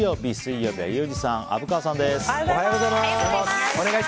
本日水曜日、水曜日はユージさん、虻川さんです。